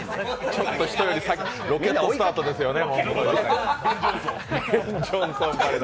本島に人より先にロケットスタートですよね。